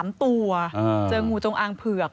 มีเจองูจงอางเผือก